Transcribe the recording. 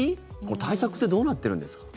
対策ってどうなってるんですか。